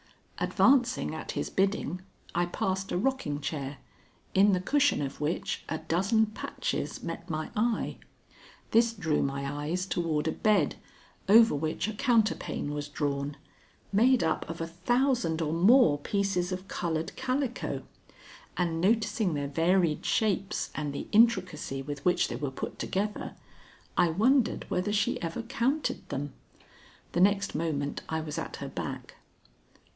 Advancing at his bidding, I passed a rocking chair, in the cushion of which a dozen patches met my eye. This drew my eyes toward a bed, over which a counterpane was drawn, made up of a thousand or more pieces of colored calico, and noticing their varied shapes and the intricacy with which they were put together, I wondered whether she ever counted them. The next moment I was at her back.